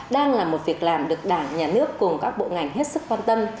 đang là một việc làm được đảng nhà nước cùng các bộ ngành hết sức quan tâm